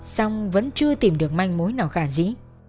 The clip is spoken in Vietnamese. song vẫn chưa tìm được manh mối nào khả dĩ